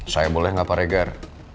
saya boleh nggak pak reger